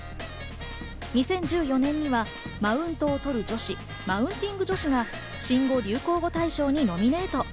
２０１４年にはマウントを取る女子、マウンティング女子が新語・流行語大賞にノミネート。